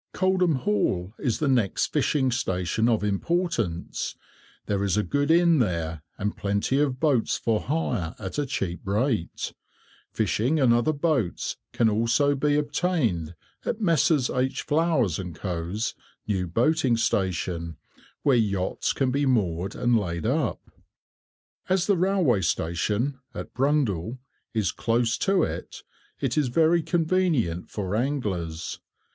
Coldham Hall is the next fishing station of importance. There is a good inn there, and plenty of boats for hire at a cheap rate. Fishing and other boats can also be obtained at Messrs. H. Flowers and Co.'s new boating station, where yachts can be moored and laid up. As the railway station (Brundall) is close to it, it is very convenient for anglers.